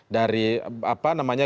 dari apa namanya